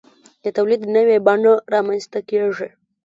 د تولید نوې بڼه رامنځته کیږي.